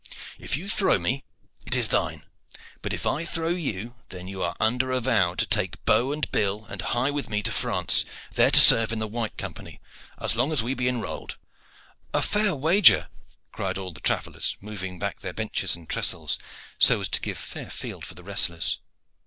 If you throw me, it is thine; but, if I throw you, then you are under a vow to take bow and bill and hie with me to France, there to serve in the White Company as long as we be enrolled." "A fair wager!" cried all the travellers, moving back their benches and trestles, so as to give fair field for the wrestlers.